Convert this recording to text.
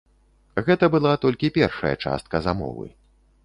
Гэта была толькі першая частка замовы.